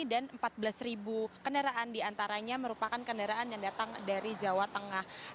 dan empat belas kendaraan diantaranya merupakan kendaraan yang datang dari jawa tengah